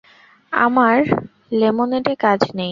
আমার লেমনেডে কাজ নেই।